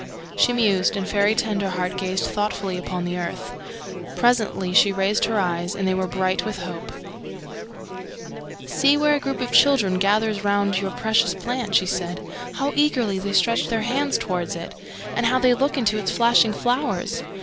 She mused, and Fairy Tenderheart gazed thoughtfully upon the earth. Presently she raised her eyes, and they were bright with hope. [Illustration: "In the children's gardens ... they planted the seeds."] "See where a group of children gathers round your precious plant!" she said. "How eagerly they stretch their hands towards it, and how they look into its flashing flowers.